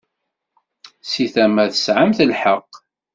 Seg tama, tesɛamt lḥeqq.